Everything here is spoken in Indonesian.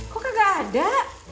kok kagak ada